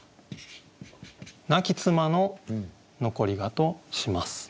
「亡き妻の残り香」とします。